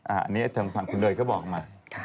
อันนี้ทางฝั่งคุณเนยก็บอกมา